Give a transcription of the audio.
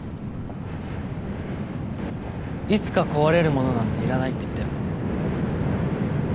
いつか壊れるものなんていらないって言ったよね？